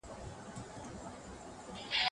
ابن خلدون دا وايي.